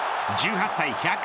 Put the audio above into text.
１８歳１１０日。